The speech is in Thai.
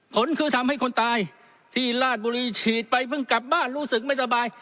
ผลคือทำให้คนตายที่ราชบุรีฉีดไปเพิ่งกลับบ้านรู้สึกไม่สบาย